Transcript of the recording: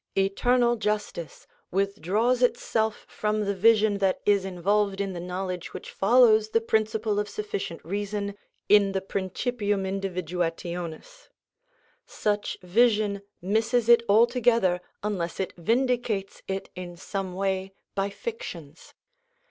Eternal justice withdraws itself from the vision that is involved in the knowledge which follows the principle of sufficient reason in the principium individuationis; such vision misses it altogether unless it vindicates it in some way by fictions.